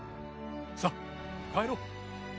さあ帰ろう。